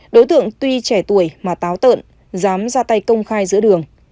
đối tượng tuy trẻ tuổi mà táo tợn dám ra tay công khai giữa đường